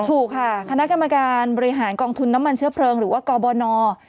ถูกค่ะคณะกรรมการบริหารกองทุนน้ำมันเชื้อเพลิงหรือว่ากบน